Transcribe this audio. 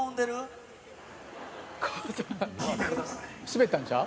「スベったんちゃう？」